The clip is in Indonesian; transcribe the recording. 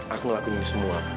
aku ngelakuin ini semua